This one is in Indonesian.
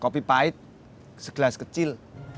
kopi pahit se gelas kecil